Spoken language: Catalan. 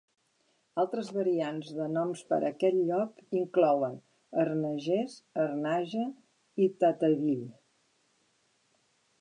Altres variants de noms per a aquest lloc inclouen Harnages, Harnage, i Tateville.